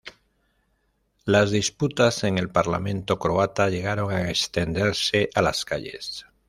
Las disputas en el parlamento croata llegaron a extenderse a las calles.